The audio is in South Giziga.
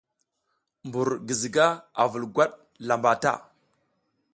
Mbur giziga a zul gwat lamba ta.